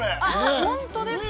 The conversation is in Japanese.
◆本当ですか。